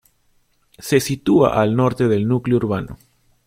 Se sitúa al norte del núcleo urbano.